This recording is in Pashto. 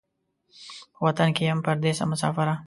په وطن کې یم پردېسه مسافره